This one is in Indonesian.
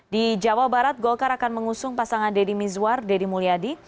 di jawa barat golkar akan mengusung pasangan deddy mizwar deddy mulyadi